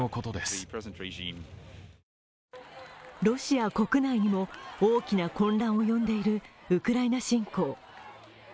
ロシア国内にも大きな混乱を呼んでいるウクライナ侵攻。